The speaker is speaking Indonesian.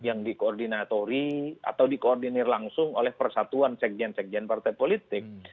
yang dikoordinatori atau dikoordinir langsung oleh persatuan sekjen sekjen partai politik